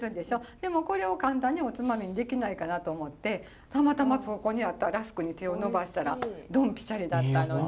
でもこれを簡単におつまみにできないかなと思ってたまたまそこにあったラスクに手を伸ばしたらドンピシャリだったので。